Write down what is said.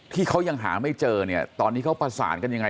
ที่เขายังหาไม่เจอเนี่ยตอนนี้เขาประสานกันยังไง